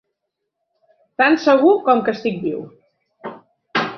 Tan segur com que estic viu.